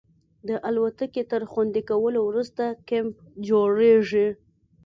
د الوتکې تر خوندي کولو وروسته کیمپ جوړیږي